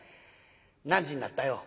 何時になったよ？」。